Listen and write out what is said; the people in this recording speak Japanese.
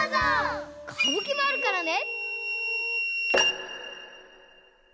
「かぶき」もあるからね！